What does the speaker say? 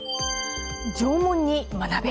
縄文に学べ。